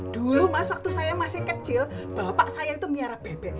dulu mas waktu saya masih kecil bapak saya itu miara bebek